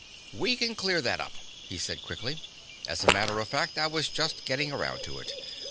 "We can clear that up," he said quickly. "As a matter of fact, I was just getting around to it.